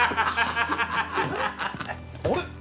あれ？